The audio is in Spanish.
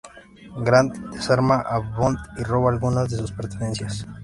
Grant desarma a Bond y roba algunas de sus pertenencias.